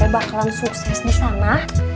bakalan sukses di sana